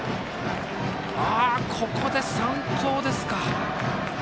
ここで三盗ですか。